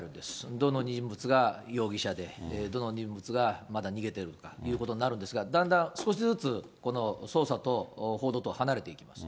どの人物が容疑者で、どの人物がまだ逃げてるかということになるんですが、だんだん少しずつ、この捜査と報道とは離れていきます。